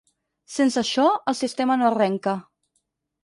Sense això, el sistema no arrenca.